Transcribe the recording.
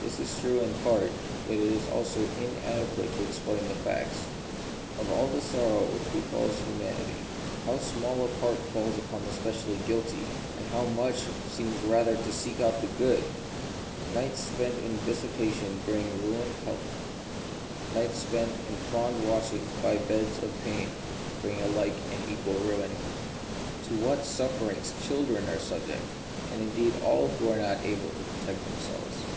This is true in part, yet it also is in adequate to explain the facts. Of all the sor row which befalls humanity, how small a part falls upon the specially guilty ; how much seems rather to seek out the good ! Nights spent in dissipation bring ruined health j 28 The Mystery of Pain. nights spent in fond watchings by beds of pain bring a like and equal ruin. To what sufferings children are subject, and indeed all who are not able to protect themselves